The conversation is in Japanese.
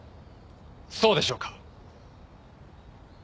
そうでしょうか。